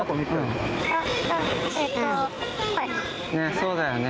そうだよね。